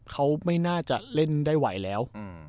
เขาไม่น่าจะเล่นได้ไหวแล้ว